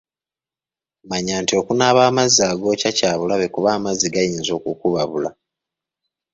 Manya nti okunaaba amazzi agookya kya bulabe kuba amazzi gayinza okukubabula.